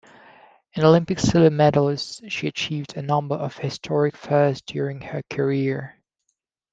An Olympic silver medalist, she achieved a number of historic firsts during her career.